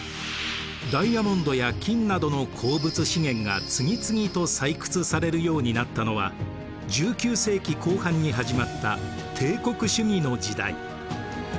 ダイヤモンドや金などの鉱物資源が次々と採掘されるようになったのは１９世紀後半に始まった帝国主義の時代。